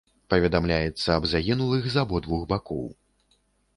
Паведамляецца аб загінулых з абодвух бакоў.